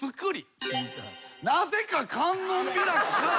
なぜか観音開きから。